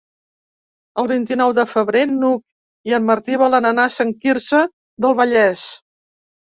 El vint-i-nou de febrer n'Hug i en Martí volen anar a Sant Quirze del Vallès.